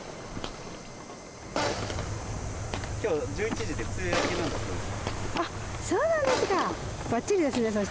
きょう１１時で梅雨明けなんだそうです。